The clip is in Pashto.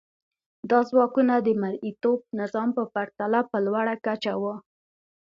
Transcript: دا ځواکونه د مرئیتوب نظام په پرتله په لوړه کچه وو.